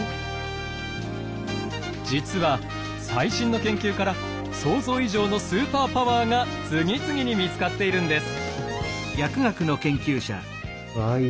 実は最新の研究から想像以上のスーパーパワーが次々に見つかっているんです。